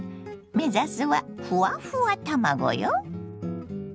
目指すはふわふわ卵よ。